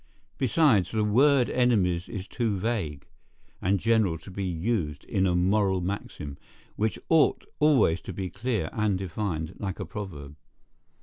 Besides, the word enemies is too vague and general to be used in a moral maxim, which ought always to be clear and defined, like a proverb.